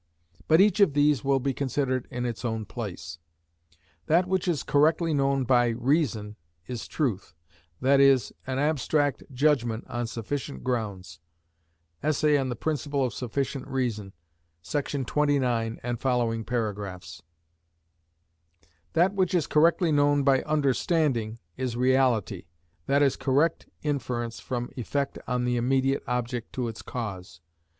But each of these will be considered in its own place. That which is correctly known by reason is truth, that is, an abstract judgment on sufficient grounds (Essay on the Principle of Sufficient Reason, § 29 and following paragraphs); that which is correctly known by understanding is reality, that is correct inference from effect on the immediate object to its cause.